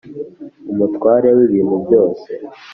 umutware w ibintu byose